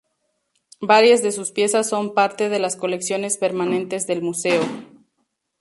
Varias de sus piezas son parte de las colecciones permanentes del museo.